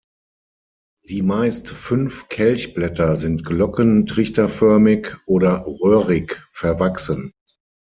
Die meist fünf Kelchblätter sind glocken-, trichterförmig oder röhrig verwachsen.